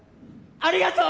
ありがとう！